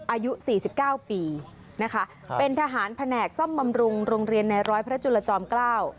อายุสี่สิบเก้าปีนะคะเป็นทหารแผนกซ่อมบำรุงโรงเรียนในร้อยพระจุลจอมเกล้า